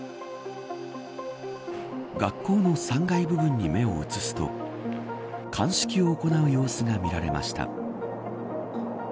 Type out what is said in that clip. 学校の３階部分に目を移すと鑑識を行う様子が見られました。